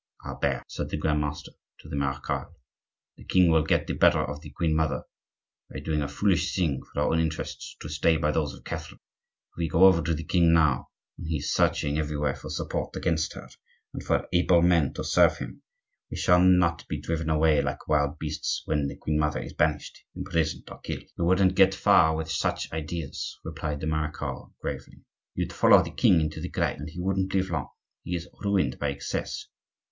"Albert," said the Grand master to the marechal, "the king will get the better of the queen mother; we are doing a foolish thing for our own interests to stay by those of Catherine. If we go over to the king now, when he is searching everywhere for support against her and for able men to serve him, we shall not be driven away like wild beasts when the queen mother is banished, imprisoned, or killed." "You wouldn't get far with such ideas, Charles," replied the marechal, gravely. "You'd follow the king into the grave, and he won't live long; he is ruined by excesses.